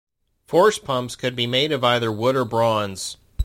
Force pumps could be made of either wood or bronze.